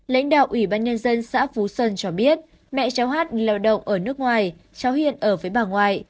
lãnh đạo ủy ban nhân dân xã phú sơn cho biết mẹ cháu hát lao động ở nước ngoài cháu hiện ở với bà ngoại